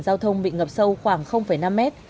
giao thông bị ngập sâu khoảng năm m